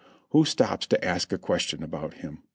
Who stops to ask a question about him?